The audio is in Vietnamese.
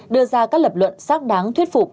đưa ra các lập luận sắc đáng thuyết phục